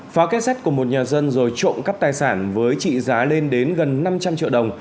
phá kết sắt của một nhà dân rồi trộm cắp tài sản với trị giá lên đến gần năm trăm linh triệu đồng